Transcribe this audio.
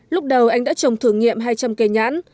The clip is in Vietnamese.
lúc đầu anh đã trồng thử nghiệm hai trăm linh cây nhãn